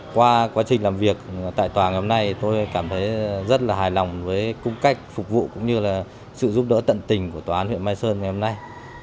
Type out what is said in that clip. qua quá trình làm việc tại tòa ngày hôm nay tôi cảm thấy rất là hài lòng với cung cách phục vụ cũng như là sự giúp đỡ tận tình của tòa án huyện mai sơn ngày hôm nay